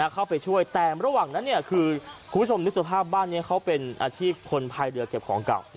เข้าไปช่วยแต่ระหว่างนั้นคือคุณผู้ชมนึกสภาพบ้านนี้เขาเป็นอาชีพคนภายเรือเก็บของเก่า